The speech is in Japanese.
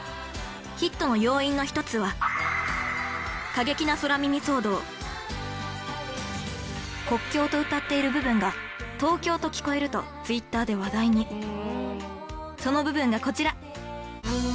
ヒットの要因の一つは「国境」と歌っている部分が「東京」と聞こえると Ｔｗｉｔｔｅｒ で話題にその部分がこちら